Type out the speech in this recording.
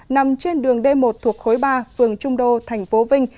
nằm trên đường d một thuộc khối ba phường trung đô tp vinh